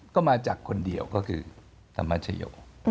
ก็มาจากคนเดียวก็คือธรรมชโย